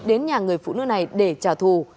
đến nhà người phụ nữ này để trả thù